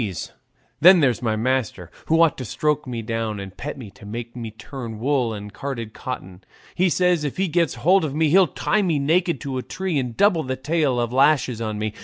Then there's my master, who ought to stroke me down and pet me to make me turn wool and carded cotton; he says if he gets hold of me he'll tie me naked to a tree and double the tale of lashes on me.